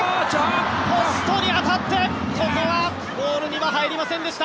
ポストに当たってここはゴールには入りませんでした。